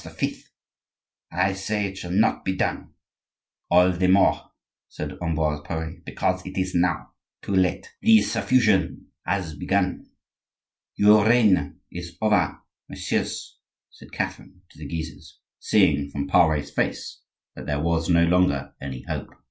I say it shall not be done—" "All the more," said Ambroise Pare; "because it is now too late; the suffusion has begun." "Your reign is over, messieurs," said Catherine to the Guises, seeing from Pare's face that there was no longer any hope.